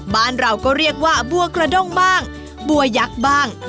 บ้านเราก็เรียกว่าบัวกระด้งบ้างบัวยักษ์บ้าง